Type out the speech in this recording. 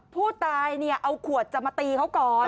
ผู้ตายเนี่ยเอาขวดจะมาตีเขาก่อน